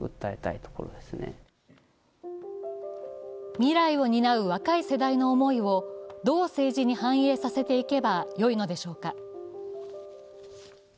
未来を担う若い世代の思いを、どう政治に反映させていけばよいのでしょうか。